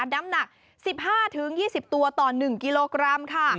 น้ำหนัก๑๕๒๐ตัวต่อ๑กิโลกรัมค่ะ